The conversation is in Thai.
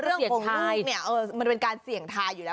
เรื่องของลูกเนี่ยมันเป็นการเสี่ยงทายอยู่แล้ว